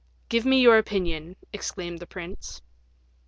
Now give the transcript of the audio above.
"Give me your opinion," exclaimed the prince.